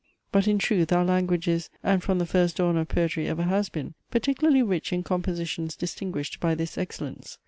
But in truth our language is, and from the first dawn of poetry ever has been, particularly rich in compositions distinguished by this excellence.